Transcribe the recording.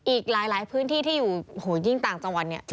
อีกหลายพื้นที่ที่อยู่ยิ่งต่างจังหวัดเนี่ย